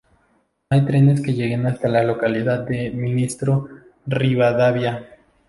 No hay trenes que lleguen hasta la localidad de Ministro Rivadavia.